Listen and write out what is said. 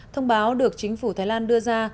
thông báo được chính phủ thái lan đưa ra